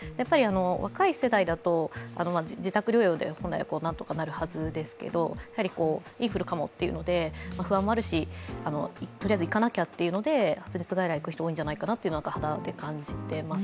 若い世代だと、自宅療養で本来は何とかなるはずですけど、インフルかもっていうので、不安もあるし、とりあえず行かなきゃっていうので、発熱外来に行く人が多いんじゃないかというのは肌で感じています。